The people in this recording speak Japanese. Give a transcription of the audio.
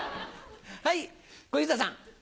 はい小遊三さん。